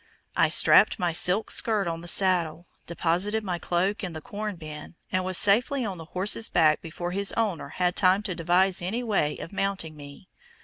I strapped my silk skirt on the saddle, deposited my cloak in the corn bin, and was safely on the horse's back before his owner had time to devise any way of mounting me.